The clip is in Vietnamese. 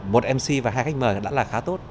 một mc và hai khách mời đã là khá tốt